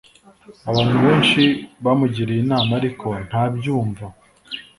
Abantu benshi bamugiriye inama ariko ntabyumva